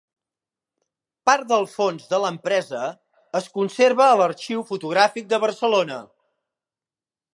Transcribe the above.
Part del fons de l'empresa, es conserva a l'Arxiu Fotogràfic de Barcelona.